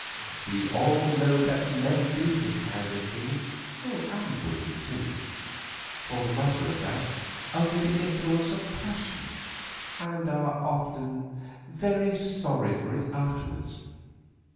We all know that men do this kind of thing, and women too, for the matter of that, under the influence of passion—and are often very sorry for it afterwards.